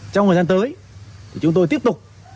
trong thời gian tới chúng tôi tiếp tục